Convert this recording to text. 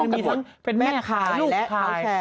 มีทั้งแม่ขาลูกขา